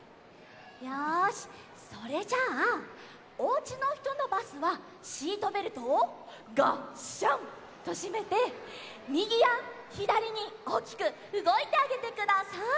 よしそれじゃあおうちのひとのバスはシートベルトをガッシャンとしめてみぎやひだりにおおきくうごいてあげてください。